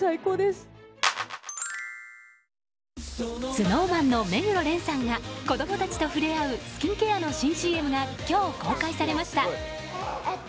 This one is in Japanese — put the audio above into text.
ＳｎｏｗＭａｎの目黒蓮さんが子供たちと触れ合うスキンケアの新ＣＭが今日、公開されました。